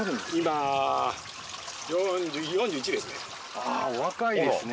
あお若いですね。